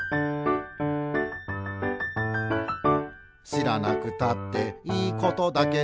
「しらなくたっていいことだけど」